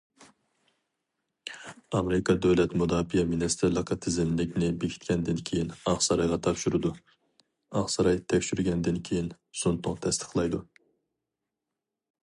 ئامېرىكا دۆلەت مۇداپىئە مىنىستىرلىقى تىزىملىكنى بېكىتكەندىن كېيىن ئاقسارايغا تاپشۇرىدۇ، ئاقساراي تەكشۈرگەندىن كېيىن، زۇڭتۇڭ تەستىقلايدۇ.